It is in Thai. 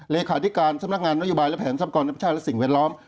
เลขาธิการสำนักงานนโยบายและแผนทรัพยากรธรรมชาติและสิ่งแวดล้อม